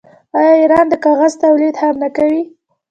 آیا ایران د کاغذ تولید هم نه کوي؟